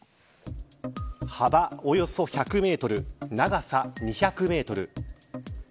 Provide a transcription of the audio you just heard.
幅およそ１００メートル長さ２００メートル。